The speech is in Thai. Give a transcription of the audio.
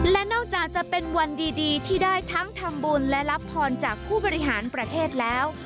และนอกจากจะเป็นวันดีที่ได้ทั้งทำบุญและรับพรจากผู้บริหารประเทศแล้ว